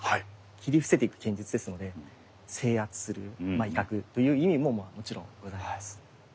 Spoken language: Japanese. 斬り伏せていく剣術ですので制圧するまあ威嚇という意味もまあもちろんございます。